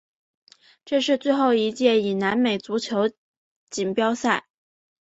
这是最后一届以南美足球锦标赛。